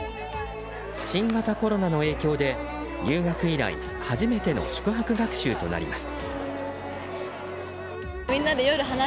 新型コロナの影響で入学以来、初めての宿泊学習となります。